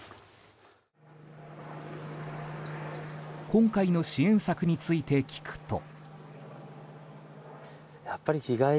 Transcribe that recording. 今回の支援策について聞くと。